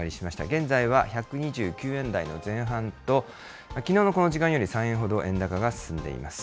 現在は１２９円台の前半と、きのうのこの時間より３円ほど円高が進んでいます。